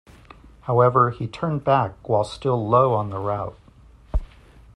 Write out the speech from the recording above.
However he turned back while still low on the route.